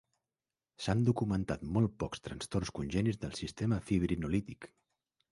S'han documentat molt pocs trastorns congènits del sistema fibrinolític.